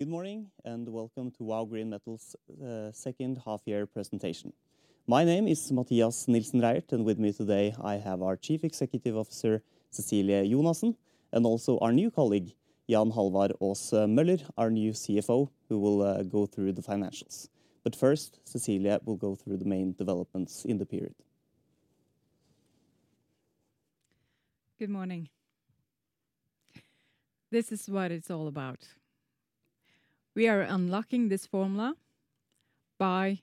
Good morning, and welcome to Vow Green Metals' -year presentation. My name is Mathias Nilsen Reierth, and with me today, I have our Chief Executive Officer, Cecilie Jonassen, and also our new colleague, Jan Halvard Aas Møller, our new CFO, who will go through the financials. But first, Cecilie will go through the main developments in the period. Good morning. This is what it's all about. We are unlocking this formula by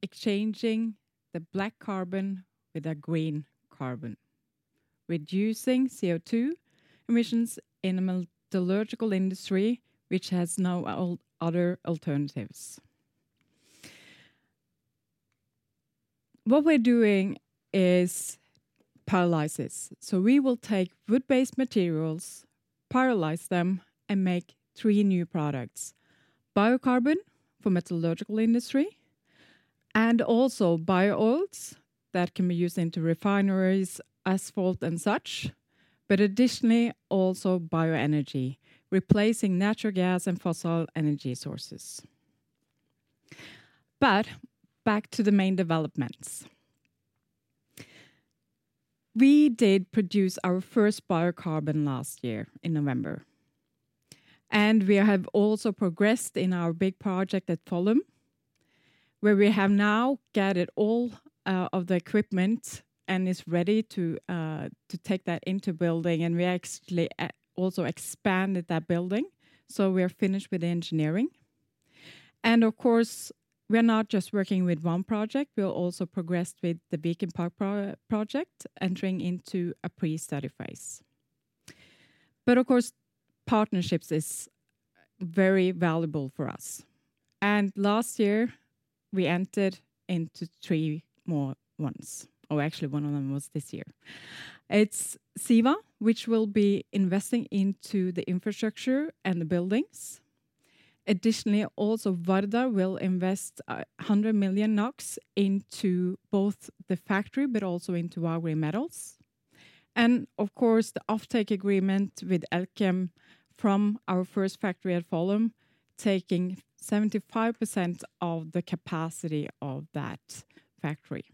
exchanging the black carbon with a green carbon, reducing CO2 emissions in the metallurgical industry, which has no other alternatives. What we're doing is pyrolysis. So we will take wood-based materials, pyrolyze them, and make three new products: biocarbon for metallurgical industry, and also bio-oils that can be used into refineries, asphalt, and such, but additionally, also bioenergy, replacing natural gas and fossil energy sources. But back to the main developments. We did produce our first biocarbon last year in November, and we have also progressed in our big project at Follum, where we have now gathered all of the equipment and is ready to take that into building, and we actually also expanded that building, so we are finished with the engineering. Of course, we're not just working with one project, we are also progressed with the Viken Park project, entering into a pre-study phase. Of course, partnerships is very valuable for us, and last year, we entered into three more ones, or actually, one of them was this year. It's Siva, which will be investing into the infrastructure and the buildings. Additionally, also, Vardar will invest 100 million NOK into both the factory but also into Vow Green Metals. Of course, the offtake agreement with Elkem from our first factory at Follum, taking 75% of the capacity of that factory.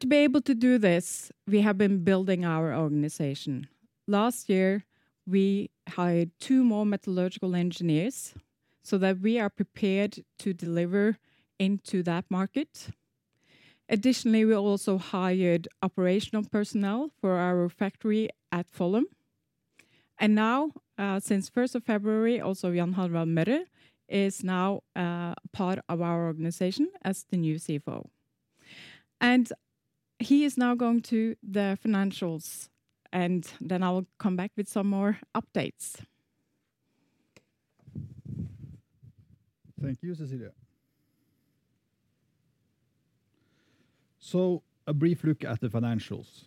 To be able to do this, we have been building our organization. Last year, we hired two more metallurgical engineers so that we are prepared to deliver into that market. Additionally, we also hired operational personnel for our factory at Follum. Now, since first of February, also, Jan Halvard Aas Møller is now part of our organization as the new CFO. He is now going to the financials, and then I will come back with some more updates. Thank you, Cecilie. A brief look at the financials.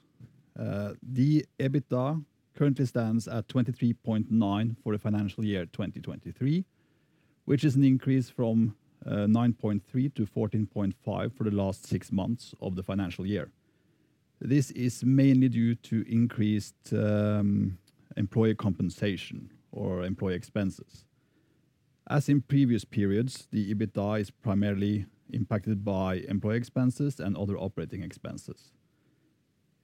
The EBITDA currently stands at 23.9 million for the financial year 2023, which is an increase from 9.3 million to 14.5 million for the last six months of the financial year. This is mainly due to increased employee compensation or employee expenses. As in previous periods, the EBITDA is primarily impacted by employee expenses and other operating expenses.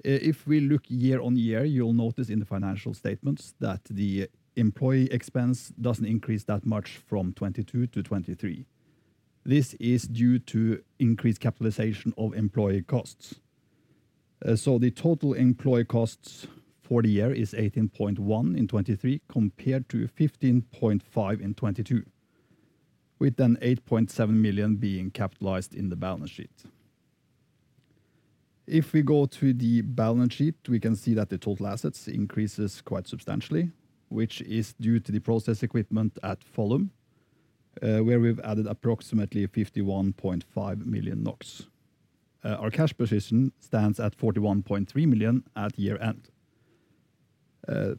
If we look year-on-year, you'll notice in the financial statements that the employee expense doesn't increase that much from 2022 to 2023. This is due to increased capitalization of employee costs. The total employee costs for the year is 18.1 million in 2023, compared to 15.5 million in 2022, with 8.7 million being capitalized in the balance sheet. If we go to the balance sheet, we can see that the total assets increases quite substantially, which is due to the process equipment at Follum, where we've added approximately 51.5 million NOK. Our cash position stands at 41.3 million at year-end.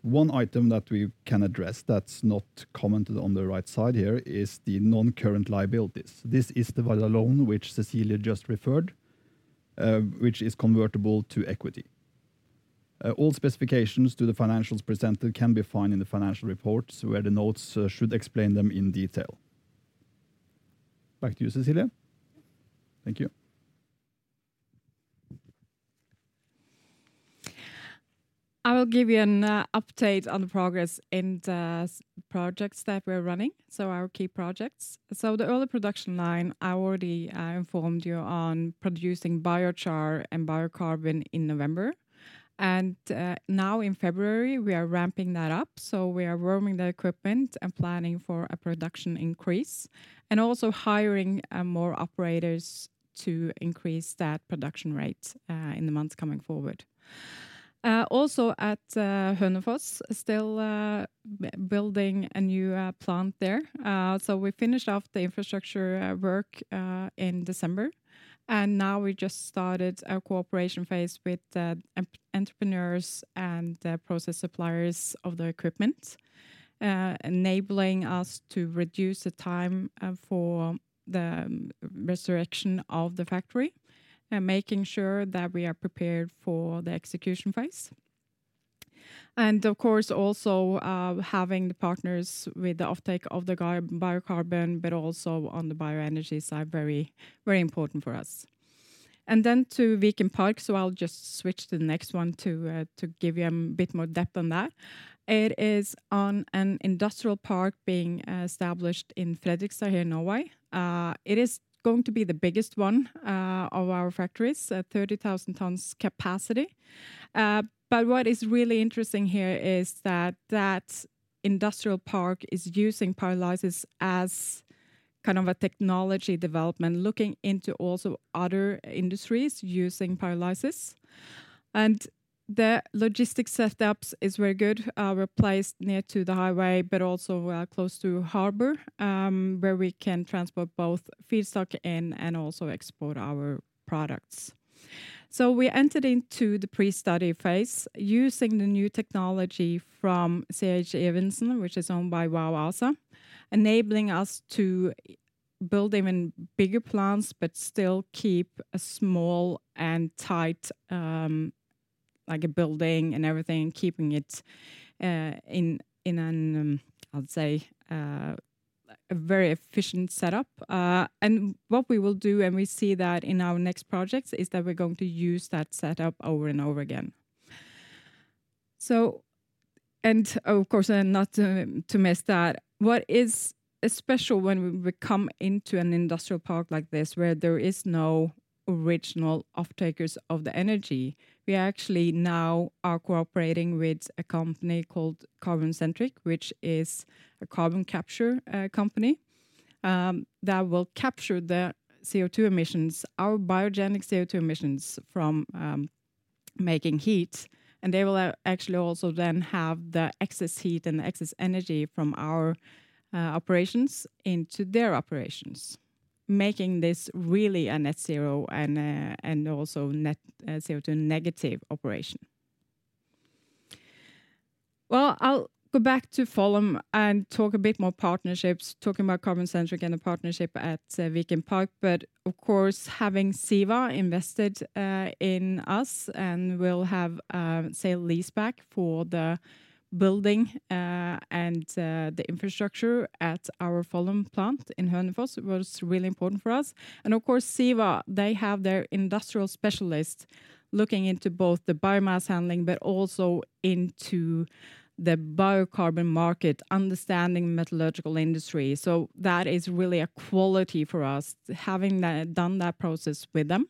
One item that we can address that's not commented on the right side here is the non-current liabilities. This is the Vardar loan, which Cecilie just referred, which is convertible to equity. All specifications to the financials presented can be found in the financial reports, where the notes should explain them in detail. Back to you, Cecilie. Thank you. I will give you an update on the progress in the projects that we're running, so our key projects. So the early production line, I already informed you on producing biochar and biocarbon in November, and now in February, we are ramping that up. So we are warming the equipment and planning for a production increase, and also hiring more operators to increase that production rate in the months coming forward. Also at Hønefoss, still building a new plant there. So we finished off the infrastructure work in December, and now we just started a cooperation phase with the entrepreneurs and the process suppliers of the equipment, enabling us to reduce the time for the resurrection of the factory and making sure that we are prepared for the execution phase. And of course, also, having the partners with the offtake of the biocarbon, but also on the bioenergy side, very, very important for us. And then to Viken Park, so I'll just switch to the next one to give you a bit more depth on that. It is an industrial park being established in Fredrikstad, here in Norway. It is going to be the biggest one of our factories, at 30,000 tons capacity. But what is really interesting here is that that industrial park is using pyrolysis as kind of a technology development, looking into also other industries using pyrolysis. And the logistic setups is very good, we're placed near to the highway, but also close to harbor, where we can transport both feedstock in and also export our products. So we entered into the pre-study phase, using the new technology from C.H. Evensen, which is owned by Vow ASA, enabling us to build even bigger plants, but still keep a small and tight like a building and everything, keeping it in in an I would say a very efficient setup. And what we will do, and we see that in our next projects, is that we're going to use that setup over and over again. So... And of course, and not to miss that, what is special when we come into an industrial park like this, where there is no original off-takers of the energy, we actually now are cooperating with a company called Carbon Centric, which is a carbon capture company, that will capture the CO2 emissions, our biogenic CO2 emissions from making heat, and they will actually also then have the excess heat and the excess energy from our operations into their operations, making this really a net zero and also net CO2 negative operation. Well, I'll go back to Follum and talk a bit more partnerships, talking about Carbon Centric and the partnership at Viken Park, but of course, having Siva invested in us, and we'll have sale-leaseback for the building, and the infrastructure at our Follum plant in Hønefoss was really important for us. Of course, Siva, they have their industrial specialists looking into both the biomass handling, but also into the biocarbon market, understanding metallurgical industry. So that is really a quality for us, having that done that process with them.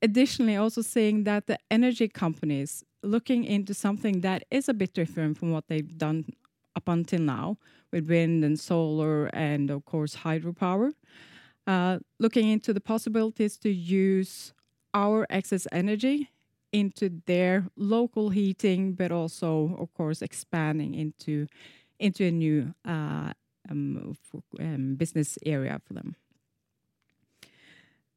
Additionally, also seeing that the energy companies looking into something that is a bit different from what they've done up until now, with wind and solar and of course, hydropower. Looking into the possibilities to use our excess energy into their local heating, but also, of course, expanding into a new business area for them.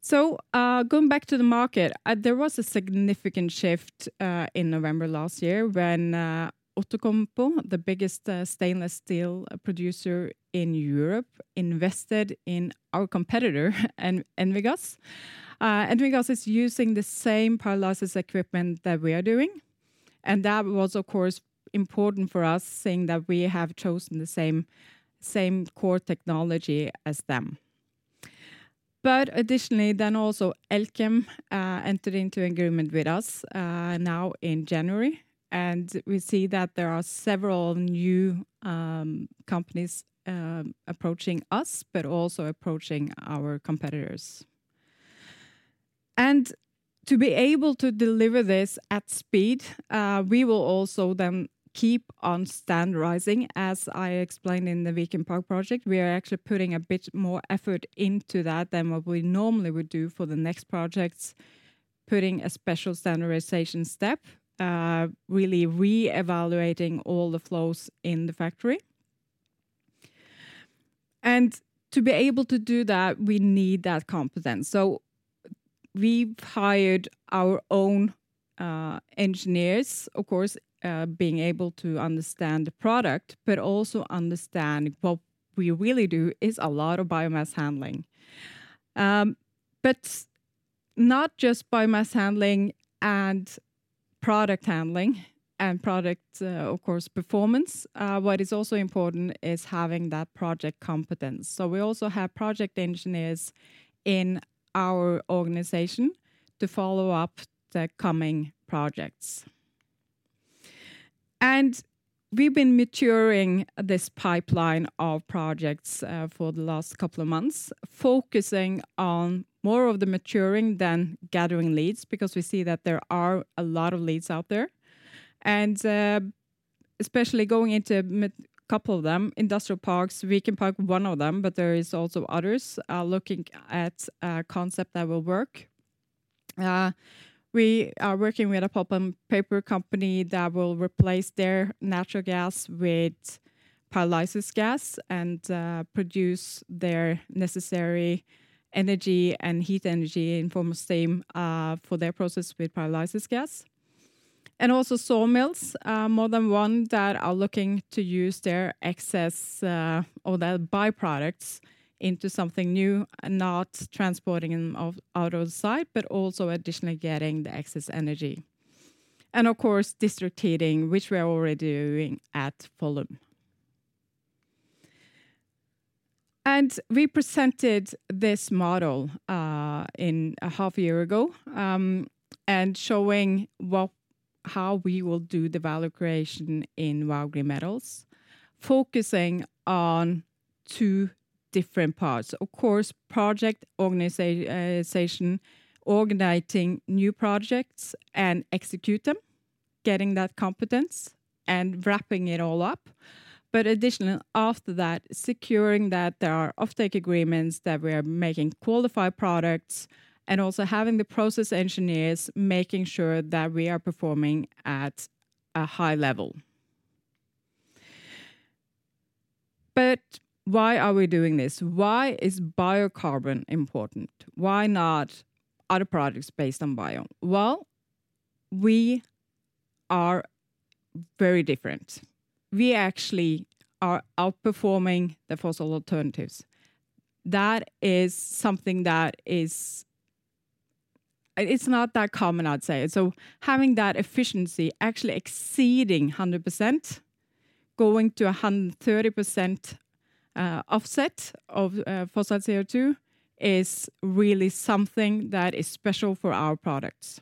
So, going back to the market, there was a significant shift in November last year when Outokumpu, the biggest stainless steel producer in Europe, invested in our competitor, Envigas. Envigas is using the same pyrolysis equipment that we are doing, and that was, of course, important for us, seeing that we have chosen the same core technology as them. But additionally, then also, Elkem entered into agreement with us now in January, and we see that there are several new companies approaching us, but also approaching our competitors. And to be able to deliver this at speed, we will also then keep on standardizing. As I explained in the Viken Park project, we are actually putting a bit more effort into that than what we normally would do for the next projects, putting a special standardization step, really re-evaluating all the flows in the factory. And to be able to do that, we need that competence. So we've hired our own engineers, of course, being able to understand the product, but also understand what we really do is a lot of biomass handling. But not just biomass handling and product handling, and product, of course, performance, what is also important is having that project competence. So we also have project engineers in our organization to follow up the coming projects. We've been maturing this pipeline of projects for the last couple of months, focusing on more of the maturing than gathering leads, because we see that there are a lot of leads out there. And especially going into couple of them, industrial parks, Viken Park, one of them, but there is also others looking at a concept that will work. We are working with a pulp and paper company that will replace their natural gas with pyrolysis gas and produce their necessary energy and heat energy in form of same for their process with pyrolysis gas. And also sawmills, more than one, that are looking to use their excess or their byproducts into something new, and not transporting them out of the site, but also additionally getting the excess energy. Of course, district heating, which we are already doing at Follum. We presented this model half a year ago, showing how we will do the value creation in Vow Green Metals, focusing on two different parts. Of course, project organization, organizing new projects and execute them, getting that competence and wrapping it all up. But additionally, after that, securing that there are offtake agreements, that we are making qualified products, and also having the process engineers making sure that we are performing at a high level. But why are we doing this? Why is biocarbon important? Why not other products based on bio? Well, we are very different. We actually are outperforming the fossil alternatives. That is something that it's not that common, I'd say. So having that efficiency actually exceeding 100%, going to a 130% offset of fossil CO2, is really something that is special for our products.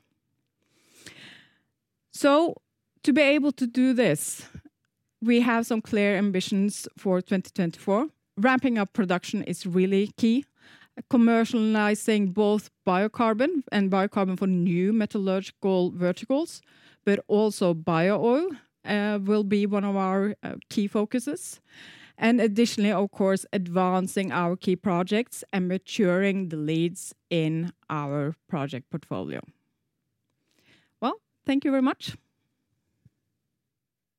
So to be able to do this, we have some clear ambitions for 2024. Ramping up production is really key. Commercializing both biocarbon and biocarbon for new metallurgical verticals, but also bio-oil, will be one of our key focuses, and additionally, of course, advancing our key projects and maturing the leads in our project portfolio. Well, thank you very much!